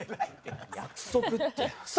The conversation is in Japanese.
約束って。